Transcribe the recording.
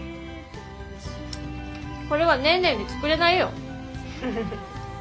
これはネーネーに作れないよ。